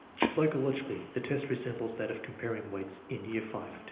Psychologically, the test resembles that of comparing weights in V, 1.